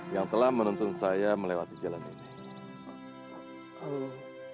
yang telah menuntun saya melewati jalan ini